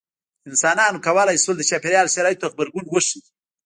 انسانانو کولی شول د چاپېریال شرایطو ته غبرګون وښيي.